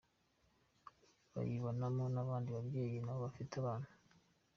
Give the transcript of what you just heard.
Bayibanamo n’abandi babyeyi nabo bafite abana.